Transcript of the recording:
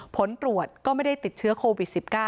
ผลตรวจก็ไม่ได้ติดเชื้อโควิด๑๙